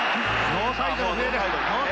ノーサイドです。